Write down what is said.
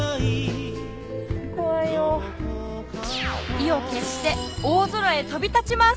意を決して大空へ飛び立ちます！